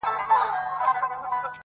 چا له نظره کړې د ښکلیو د مستۍ سندري-